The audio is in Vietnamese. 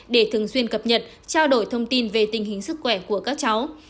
để thường xuyên cập nhật trao đổi thông tin về tình hình sức khỏe của các cháu